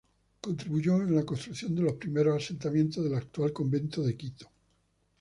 Contribuyó en la construcción de los primeros asentamientos del actual convento de Quito.